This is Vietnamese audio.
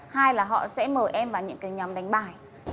hai là họ sẽ mời em vào những cái nhóm đánh bài